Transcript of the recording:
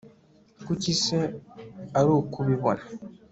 kuki se ari uko ubibona